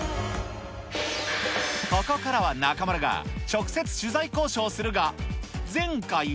ここからは中丸が、直接取材交渉するが、前回は。